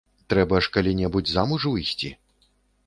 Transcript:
Трэба ж калі-небудзь замуж выйсці.